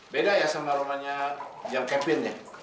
beda ya sama rumahnya yang kevin ya